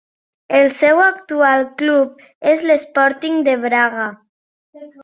El seu actual club és l'Sporting de Braga.